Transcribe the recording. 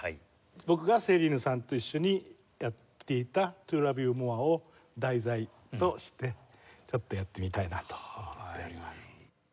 僕がセリーヌさんと一緒にやっていた『トゥー・ラヴ・ユー・モア』を題材としてちょっとやってみたいなと思っております。